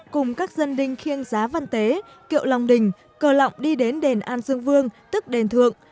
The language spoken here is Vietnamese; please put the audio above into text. cùng các dân đinh khiêng giá văn tế kiệu lòng cờ lọng đi đến đền an dương vương tức đền thượng